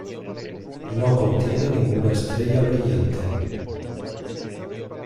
No contiene ninguna estrella brillante.